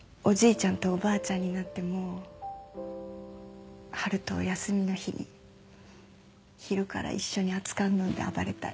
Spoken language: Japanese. ちゃんとおばあちゃんになっても春と休みの日に昼から一緒に熱燗飲んで暴れたい。